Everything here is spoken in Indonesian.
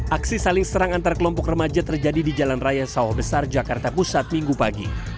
aksi saling serang antar kelompok remaja terjadi di jalan raya sawah besar jakarta pusat minggu pagi